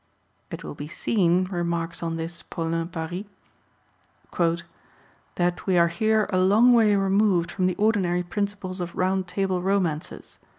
It will be seen," remarks on this Paulin Paris, " that we are here a long way removed from the ordinary principles of Round Table Romances.